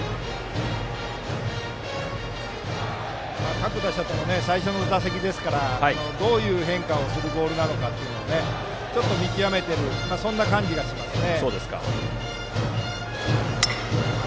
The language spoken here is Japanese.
各打者とも最初の打席なのでどういう変化をするボールなのかちょっと見極めている感じがしますね。